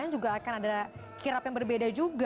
juga akan ada kirap yang berbeda juga